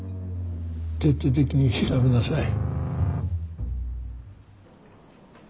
徹底的に調べなさい。